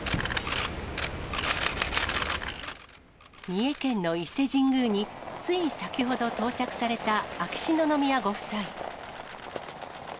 三重県の伊勢神宮に、つい先ほど到着された秋篠宮ご夫妻。